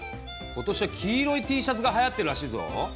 今年は黄色いＴシャツがはやってるらしいぞ。